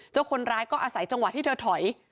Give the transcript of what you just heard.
คนร้ายก็อาศัยจังหวะที่เธอถอย